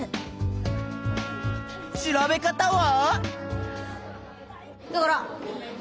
調べ方は？